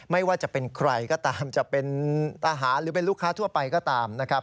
ไม่ว่าจะเป็นใครก็ตามจะเป็นทหารหรือเป็นลูกค้าทั่วไปก็ตามนะครับ